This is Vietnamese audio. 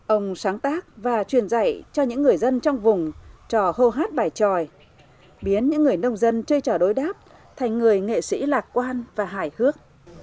ông sáng tác và truyền dạy cho những người dân trong vùng trò hô hát bài tròi biến những người nông dân chơi trò đối đáp thành người nghệ sĩ lạc quan và hài hước